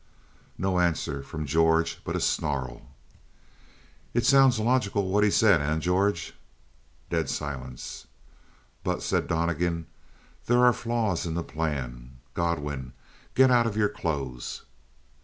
No answer from George but a snarl. "It sounds logical what he said, eh, George?" Dead silence. "But," said Donnegan, "there are flaws in the plan. Godwin, get out of your clothes."